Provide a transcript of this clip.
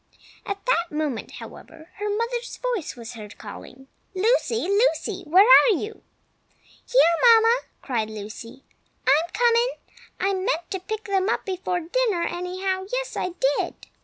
At that moment, however, her mother's voice was heard, calling "Lucy! Lucy! Where are you?" "Here, Mamma!" cried Lucy. "I am coming! I meant to pick them up before dinner, anyhow! yes I did!"